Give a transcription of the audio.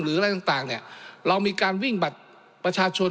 หรืออะไรต่างเรามีการวิ่งบัตรประชาชน